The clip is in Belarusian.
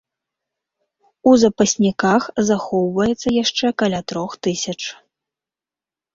У запасніках захоўваецца яшчэ каля трох тысяч.